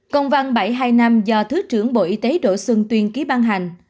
công văn bảy hai năm do thứ trưởng bộ y tế đỗ xuân tuyên ký ban hành